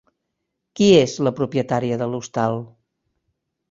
Qui és la propietària de l'hostal?